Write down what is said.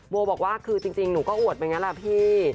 โบบอกว่าคือจริงหนูก็อวดไปงั้นแหละพี่